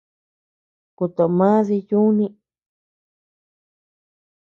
Kuto mà dii yuni.